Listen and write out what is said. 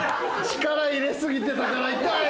力入れ過ぎてたから痛い。